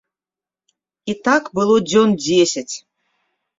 І так было дзён дзесяць.